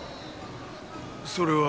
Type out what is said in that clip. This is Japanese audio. それは。